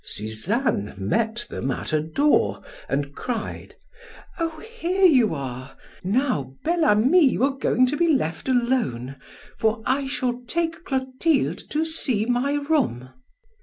Suzanne met them at a door and cried: "Oh, here you are! Now, Bel Ami, you are going to be left alone, for I shall take Clotilde to see my room."